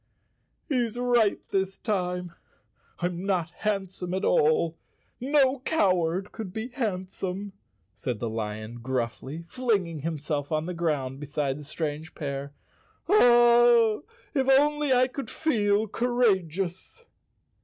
"He's right this time. I'm not handsome at all; no coward could be handsome," said the lion gruffly, fling¬ ing himself on the ground beside the strange pair. "Ah, if I could only feel courageous!"